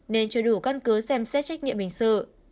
nên chưa đủ căn cứ xem xét trách nhiệm hình sự